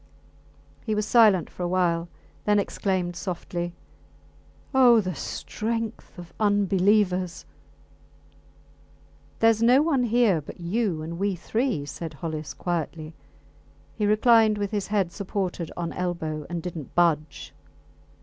He was silent for a while, then exclaimed softly Oh! the strength of unbelievers! Theres no one here but you and we three, said Hollis, quietly. He reclined with his head supported on elbow and did not budge.